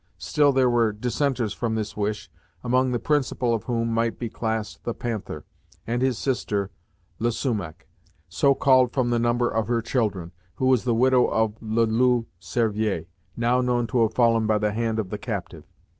Still there were dissenters from this wish, among the principal of whom might be classed the Panther, and his sister, le Sumach, so called from the number of her children, who was the widow of le Loup Cervier, now known to have fallen by the hand of the captive.